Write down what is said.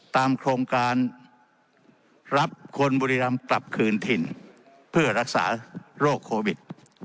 โครงการรับคนบุรีรำกลับคืนถิ่นเพื่อรักษาโรคโควิด